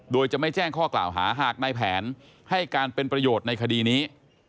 โดยจะไม่แจ้งข้อกล่าวหาหากนายแผนให้การเป็นประโยชน์ในคดีนี้